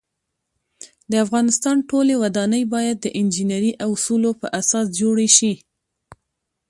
د افغانستان ټولی ودانۍ باید د انجنيري اوصولو په اساس جوړې شی